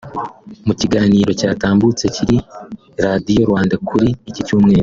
mu kiganiro cyatambutse kuri Radio Rwanda kuri iki cyumweru